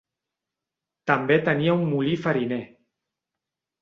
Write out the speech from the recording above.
També tenia un molí fariner.